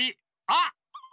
あっ！